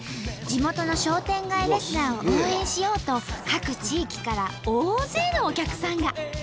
地元の商店街レスラーを応援しようと各地域から大勢のお客さんが。